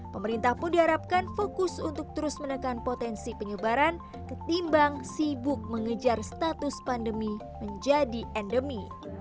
pemerintah pun diharapkan fokus untuk terus menekan potensi penyebaran ketimbang sibuk mengejar status pandemi menjadi endemi